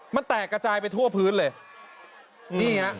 มันแตกกระจายไปทั่วพื้นเลยนี่ฮะ